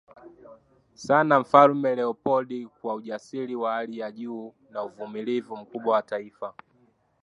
sana Mfalme Leopold kwa ujasiri wa hali ya juu na uvumilivu mkubwa wa Taifa